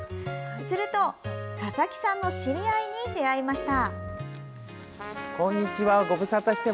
すると、佐々木さんの知り合いに出会いました。